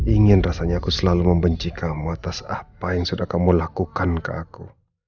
ingin rasanya aku selalu membenci kamu atas apa yang sudah kamu lakukan ke aku